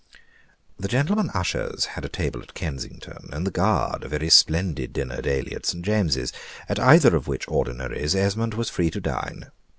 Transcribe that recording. The gentlemen ushers had a table at Kensington, and the Guard a very splendid dinner daily at St. James's, at either of which ordinaries Esmond was free to dine.